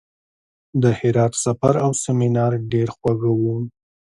د هرات سفر او سیمینار ډېر خواږه وو.